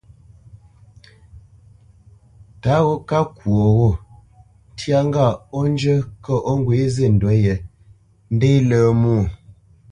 Tǎ gho ká kwo ghô, ntyá ŋgâʼ ó njə́ kə̂ ó ŋgwě zî ndǔ yē, ndé lə̄ mwô.